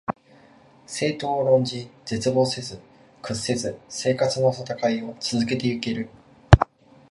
政党を論じ、絶望せず、屈せず生活のたたかいを続けて行ける